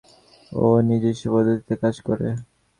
ও নিজেস্ব পদ্ধতিতে কাজ করে।